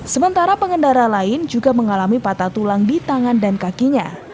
sementara pengendara lain juga mengalami patah tulang di tangan dan kakinya